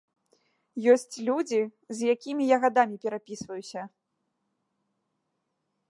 Ёсць людзі, з якімі я гадамі перапісваюся.